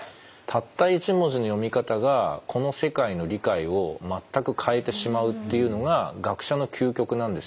たった一文字の読み方がこの世界の理解を全く変えてしまうっていうのが学者の究極なんですよね。